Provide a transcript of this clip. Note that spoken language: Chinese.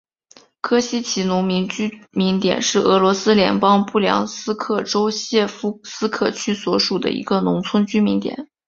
科西齐农村居民点是俄罗斯联邦布良斯克州谢夫斯克区所属的一个农村居民点。